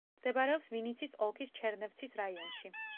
მდებარეობს ვინიცის ოლქის ჩერნევცის რაიონში.